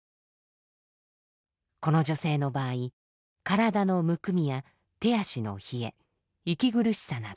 この女性の場合体のむくみや手足の冷え息苦しさなど。